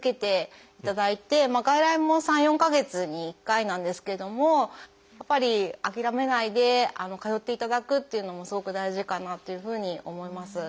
外来も３４か月に１回なんですけどもやっぱり諦めないで通っていただくっていうのもすごく大事かなというふうに思います。